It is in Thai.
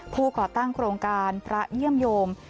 ก่อตั้งโครงการพระเยี่ยมโยม